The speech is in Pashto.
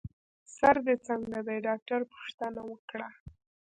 سر دي څنګه دی؟ ډاکټر پوښتنه وکړه.